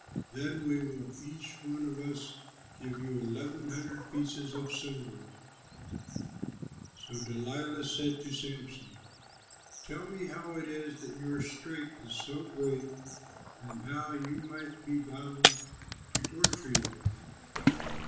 Then we will each one of us give you eleven hundred pieces of silver." So Delilah said to Samson, "Tell me how it is that your strength is so great and how you might be bound to torture you?"